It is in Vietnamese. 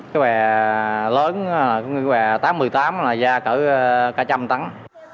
cá bè lớn có người bè tám một mươi tám là da cỡ ca trăm tắng